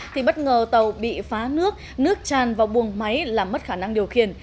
thì bất ngờ tàu bị phá nước nước tràn vào buồng máy làm mất khả năng điều khiển